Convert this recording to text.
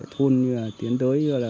thôn tiến tới